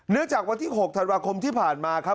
จากวันที่๖ธันวาคมที่ผ่านมาครับ